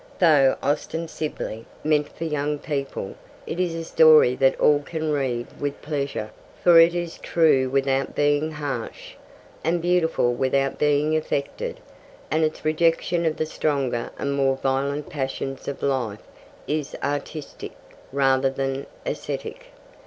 Though ostensibly meant for young people, it is a story that all can read with pleasure, for it is true without being harsh, and beautiful without being affected, and its rejection of the stronger and more violent passions of life is artistic rather than ascetic.